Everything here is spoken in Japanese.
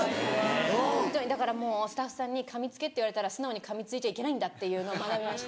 ホントにだからスタッフさんにかみつけって言われたら素直にかみついちゃいけないんだっていうのを学びました。